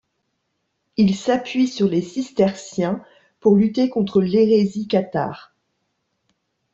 Il s’appuie sur les cisterciens pour lutter contre l’hérésie cathare.